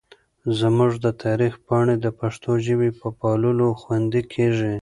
زموږ د تاریخ پاڼې د پښتو ژبې په پاللو خوندي کېږي.